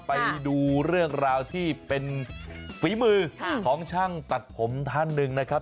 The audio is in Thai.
ไปดูเรื่องราวที่เป็นฝีมือของช่างตัดผมท่านหนึ่งนะครับ